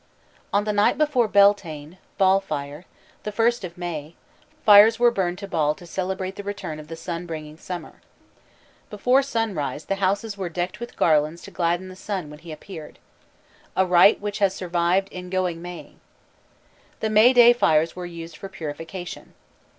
On the night before Beltaine ("Baal fire"), the first of May, fires were burned to Baal to celebrate the return of the sun bringing summer. Before sunrise the houses were decked with garlands to gladden the sun when he appeared; a rite which has survived in "going maying." The May Day fires were used for purification.